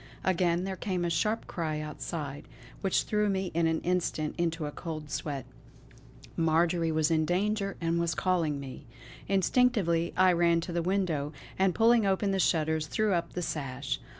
Again there came a sharp cry outside, which threw me in an instant into a cold sweat. Marjory was in danger and was calling me! Instinctively I ran to the window, and pulling open the shutters, threw up the sash.